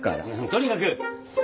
とにかく。